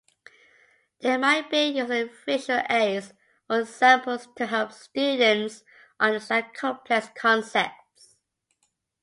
They might be using visual aids or examples to help students understand complex concepts.